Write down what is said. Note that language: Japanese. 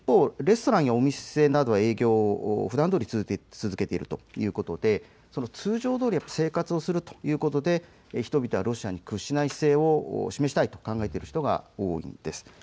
一方、レストランやお店などは営業をふだんどおり続けているということで、通常どおり生活をするということで人々はロシアに屈しない姿勢を示したいと考えている人が多いです。